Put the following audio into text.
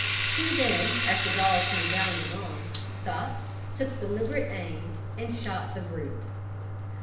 He then, as the dog came bounding on, stopped, took deliberate aim, and shot the brute.